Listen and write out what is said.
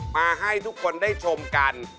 มาให้ทุกคนได้ชมกัน